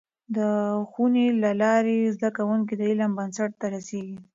د ښوونې له لارې، زده کوونکي د علم بنسټ ته رسېږي.